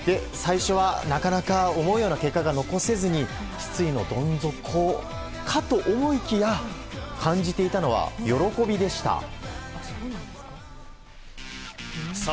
最初は、なかなか思うような結果が残せず失意のどん底かと思いきや感じていたのは喜びでした。